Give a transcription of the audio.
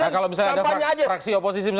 kalau misalnya ada fraksi oposisi